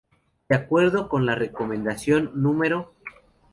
De acuerdo con la Recomendación No.